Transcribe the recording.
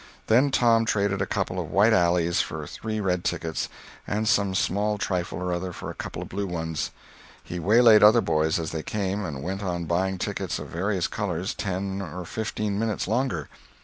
Then Tom traded a couple of white alleys for three red tickets, and some small trifle or other for a couple of blue ones. He waylaid other boys as they came, and went on buying tickets of various colors ten or fifteen minutes longer.